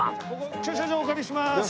駐車場お借りします。